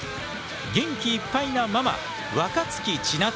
元気いっぱいなママ若槻千夏！